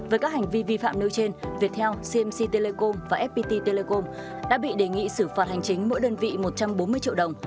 với các hành vi vi phạm nêu trên viettel cmc telecom và fpt telecom đã bị đề nghị xử phạt hành chính mỗi đơn vị một trăm bốn mươi triệu đồng